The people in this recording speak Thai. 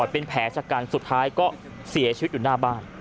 เป็นแผลชะกันสุดท้ายก็เสียชีวิตอยู่หน้าบ้าน